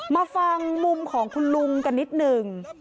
มาฟังมุมของคุณลุงกันนิดหนึ่ง